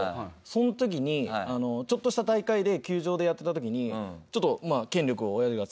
その時にちょっとした大会で球場でやってた時にちょっとまあ